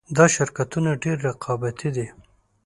دا شرکتونه ډېر رقابتي دي